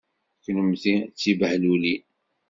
Kennemti d tibehlulin!